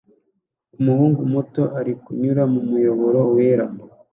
Umuhungu muto arikunyura mu muyoboro wera